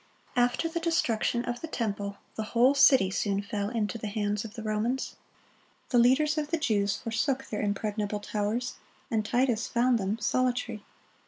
(46) After the destruction of the temple, the whole city soon fell into the hands of the Romans. The leaders of the Jews forsook their impregnable towers, and Titus found them solitary.